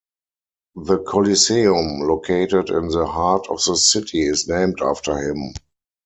The coliseum located in the heart of the city is named after him.